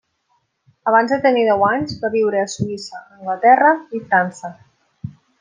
Abans de tenir deu anys va viure a Suïssa, Anglaterra i França.